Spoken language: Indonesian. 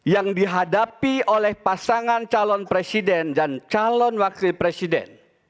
yang dihadapi oleh pasangan calon presiden dan calon wakil presiden